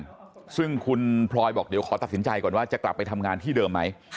ซึ่งคุณพลอยบอกเดี๋ยวขอตัดสินใจก่อนว่าจะกลับไปทำงานที่เดิมไหม